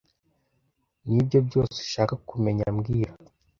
Nibyo byose ushaka kumenya mbwira